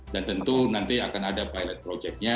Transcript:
dan tentu nanti akan ada pilot projectnya